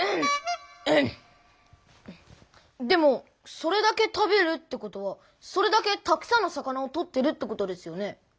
でもそれだけ食べるってことはそれだけたくさんの魚を取ってるってことですよね？